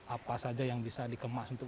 apa saja yang bisa dikemas untuk